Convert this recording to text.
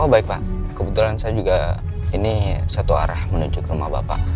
oh baik pak kebetulan saya juga ini satu arah menuju ke rumah bapak